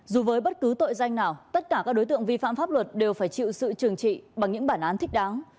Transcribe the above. dù với bất cứ tội danh nào tất cả các đối tượng vi phạm pháp luật đều phải chịu sự trừng trị bằng những bản án thích đáng